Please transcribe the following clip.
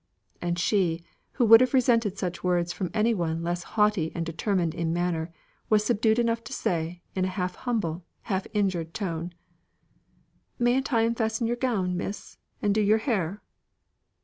and she, who would have resented such words from any one less haughty and determined in manner, was subdued enough to say, in a half humble, half injured tone: "Mayn't I unfasten your gown, miss, and do your hair?"